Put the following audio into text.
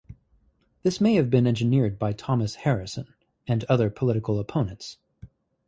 This may have been engineered by Thomas Harrison and other political opponents.